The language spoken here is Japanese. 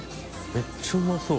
めっちゃうまそう。